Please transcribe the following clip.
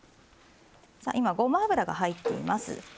今、ごま油が入っています。